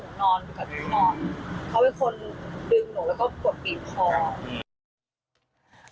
กับหนูนอนเขาเป็นคนดึงหนูแล้วก็กดบีบคอ